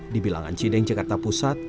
di bilangan cideng jakarta pusat